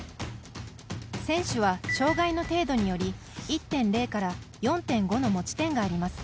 選手は障がいの程度により１．０から４．５の持ち点があります。